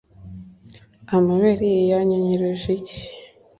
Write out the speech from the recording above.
amabere ye yanyonkereje iki